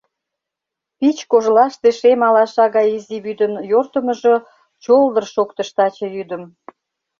Пич кожлаште шем алаша гай изи вӱдын Йортымыжо чолдыр шоктыш таче йӱдым.